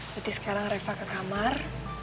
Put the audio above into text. berarti sekarang reva ke kamar